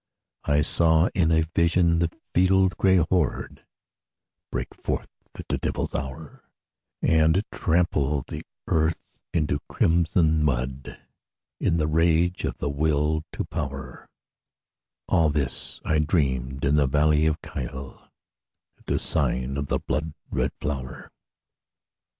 I saw in a vision the field gray horde Break forth at the devil's hour, And trample the earth into crimson mud In the rage of the Will to Power, All this I dreamed in the valley of Kyll, At the sign of the blood red flower.